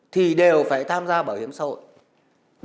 thì đều phải tham gia bảo hiểm xã hội